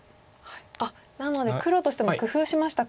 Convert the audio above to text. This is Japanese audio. あっなので黒としても工夫しましたか。